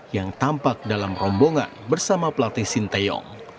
yang tampak dalam rombongan bersama pelatih sinteyong